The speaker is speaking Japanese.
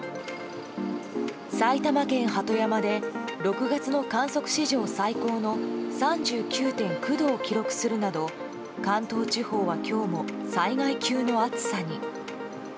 埼玉県鳩山で６月の観測史上最高の３９．９度を記録するなど関東地方は今日も災害級の暑さに。